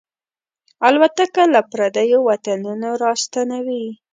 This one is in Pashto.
الوتکه له پردیو وطنونو راستنوي.